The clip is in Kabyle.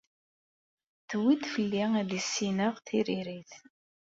Tewwi-d fell-i ad issineɣ tiririt.